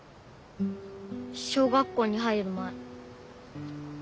小学校に入る前。